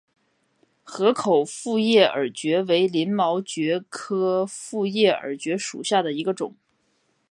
河口复叶耳蕨为鳞毛蕨科复叶耳蕨属下的一个种。